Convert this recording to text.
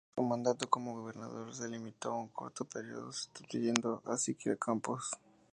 Su mandato como gobernador se limitó a un corto periodo sustituyendo a Siqueira Campos.